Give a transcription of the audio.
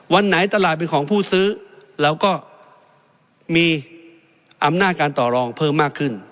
วันไหนตลาดเป็นของผู้ซื้อเราก็มีอำนาจการต่อรองเพิ่มมากขึ้น